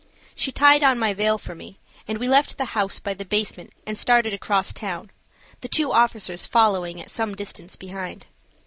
She tied on my veil for me, and we left the house by the basement and started across town, the two officers following at some distance behind.